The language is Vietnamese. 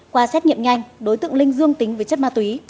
qua xét nghiệm nhanh đối tượng linh dương tính với chất ma túy